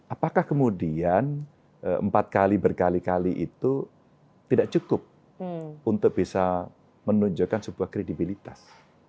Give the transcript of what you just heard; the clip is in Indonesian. apakah kemudian empat kali berkali kali itu tidak cukup untuk bisa menunjukkan sebuah kredibilitas